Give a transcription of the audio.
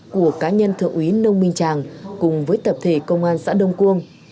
của cá nhân thượng quý nông minh tràng cùng với tập thể công an xã đông quân